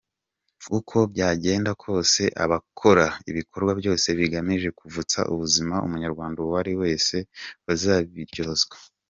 Uko byagenda kose abakora ibikorwa byose bigamije kuvutsa ubuzima umunyarwanda uwari wese bazabiryozwa.